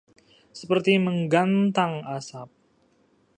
Seperti menggantang asap